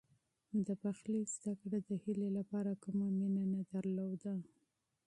د پخلي زده کړه د هیلې لپاره کومه مینه نه درلوده.